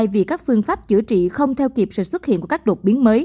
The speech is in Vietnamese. vì các phương pháp chữa trị không theo kịp sự xuất hiện của các đột